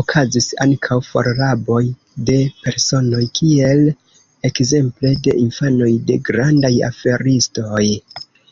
Okazis ankaŭ forraboj de personoj, kiel ekzemple de infanoj de grandaj aferistoj.